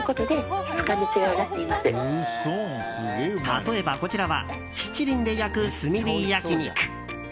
例えば、こちらは七輪で焼く炭火焼き肉。